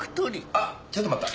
あっちょっと待った。